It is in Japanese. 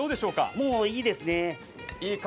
もういいですね。